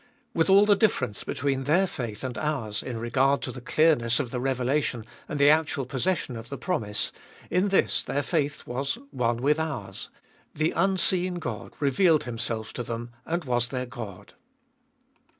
With all the difference between their faith and ours, in regard to the clearness of the revelation and the actual possession of the promise, in this their faith was one with ours — the unseen God revealed Himself to them and was their God.